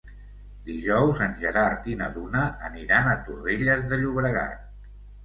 Dijous en Gerard i na Duna aniran a Torrelles de Llobregat.